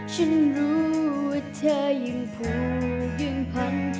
ฉันรู้ว่าเธอยังผูกยังพัน